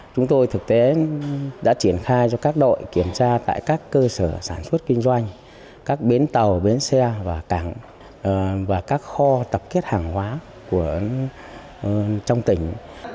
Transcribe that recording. chúng tôi thực tế đã triển khai cho các đội kiểm tra tại các cơ sở sản xuất kinh doanh các bến tàu bến xe và cảng và các kho tập kết hàng hóa trong tỉnh